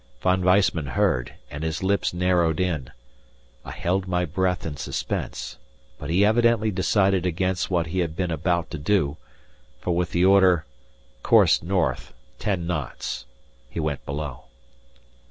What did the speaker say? Von Weissman heard and his lips narrowed in. I held my breath in suspense, but he evidently decided against what he had been about to do, for with the order, "Course north! ten knots," he went below.